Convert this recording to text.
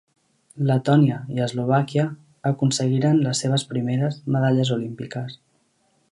Letònia i Eslovàquia aconseguiren les seves primeres medalles olímpiques.